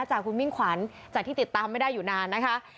จากคุณมิ่งขวัญจากที่ติดตามไม่ได้อยู่นานนะคะ